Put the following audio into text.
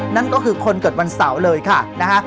นั่นก็คือคนเกิดวันเสาร์เลยค่ะนะฮะ